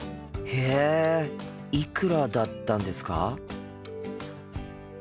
へえいくらだったんですか？